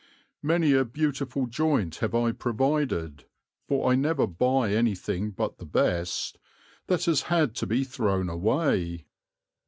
Many a beautiful joint have I provided, for I never buy anything but the very best, that has had to be thrown away."